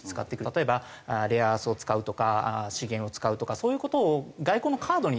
例えばレアアースを使うとか資源を使うとかそういう事を外交のカードにしてくると。